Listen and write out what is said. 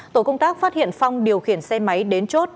tổ công tác phát hiện phong điều khiển xe máy đến chốt